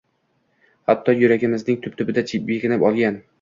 Hatto, yuragimizning tub-tubida bekinib olgan